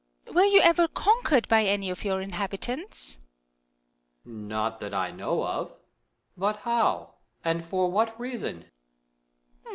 Were you ever conquered by any of your inhabitants ? Moon. Not that I know of. But how ? And for what reason